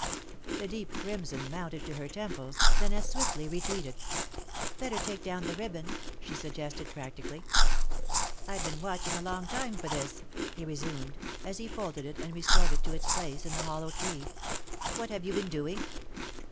The deep crimson mounted to her temples, then as swiftly retreated. "Better take down the ribbon," she suggested, practically. "I've been watching a long time for this," he resumed, as he folded it and restored it to its place in the hollow tree. "What have you been doing?"